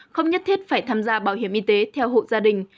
không nhất thiết phải tham gia bảo hiểm y tế theo hộ gia đình